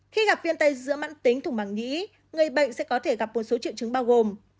khi gặp viêm tai dữa mạng tính thùng bằng nghĩ người bệnh sẽ có thể gặp một số triệu chứng bao gồm